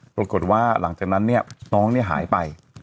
ปรากฏว่าหลังจากนั้นเนี่ยน้องหายไป